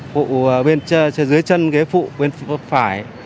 phụ bên chân dưới chân ghế phụ bên phải